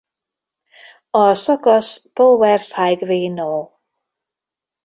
A szakasz Powers Highway No.